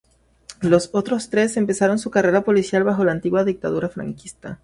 Los otros tres empezaron su carrera policial bajo la antigua dictadura franquista.